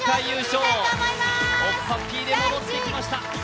おっぱっぴーで戻ってきました。